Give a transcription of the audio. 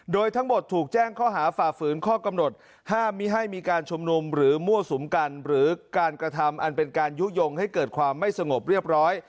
โดยทั้งหมดถูกแจ้งข้อหาฝ่าฝืนข้อกำหนดห้ามไม่ให้มีการชุมนุมหรือมั่วสุมกันหรือการกระทำอันเป็นการยุโยงให้เกิดความไม่สงบเรียบร้อย